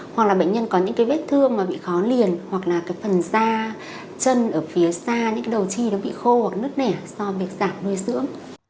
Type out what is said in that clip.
hoặc là bệnh nhân có những vết thương mà bị khó liền hoặc là phần da chân ở phía xa những đầu chi nó bị khô hoặc nước nẻ do bị giảm nuôi sưỡng